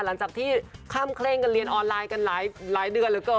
หลังจากที่ข้ามเคร่งกันเรียนออนไลน์กันหลายเดือนเหลือเกิน